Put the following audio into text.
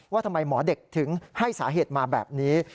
ว่าทำไมหมอเด็กถึงให้สาเหตุมาแบบนี้